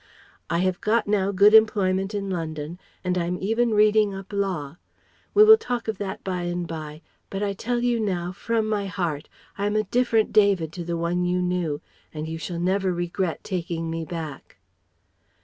I have got now good employment in London and I'm even reading up Law. We will talk of that by and bye but I tell you now from my heart I am a different David to the one you knew, and you shall never regret taking me back."